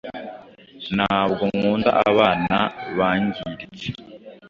Ntabwo nkunda abana bangiritse.